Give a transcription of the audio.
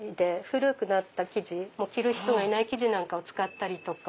古くなった生地着る人がいない生地を使ったり。